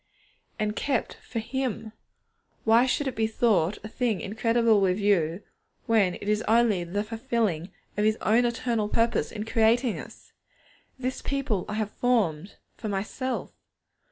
And kept for Him! Why should it be thought a thing incredible with you, when it is only the fulfilling of His own eternal purpose in creating us? 'This people have I formed _for Myself.